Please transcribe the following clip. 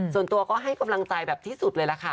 ส่วนตัวก็ให้กำลังใจแบบที่สุดเลยล่ะค่ะ